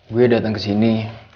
gue dateng kesini